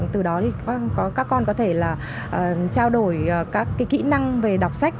từ đó thì các con có thể là trao đổi các kỹ năng về đọc sách